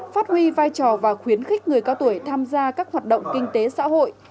phát huy vai trò và khuyến khích người cao tuổi tham gia các hoạt động kinh tế xã hội